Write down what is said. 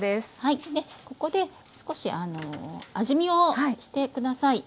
ここで少し味見をして下さい。